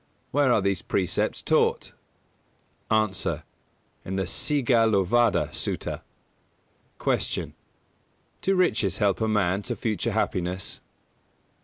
Where are these precepts taught? A. In the Sigālovāda Sutta. 213. Q. Do riches help a man to future happiness?